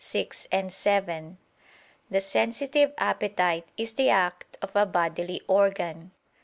6, 7), the sensitive appetite is the act of a bodily organ.